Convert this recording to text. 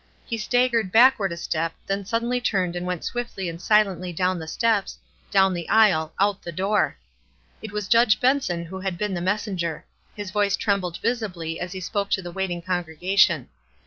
He staggered backward a step, then suddenly turned and went swiftly and silently down the steps, down tho aisle, out at the door. It was Judge Benson who had been the messenger. His voice trcm bled visibly as he spoke to the waiting congre gation.